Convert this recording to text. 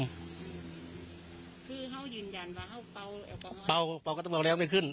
คือเขายืนยันว่าเขาเป่าแอลกอฮอลเป่าก็ต้องเอาแล้วไม่ขึ้น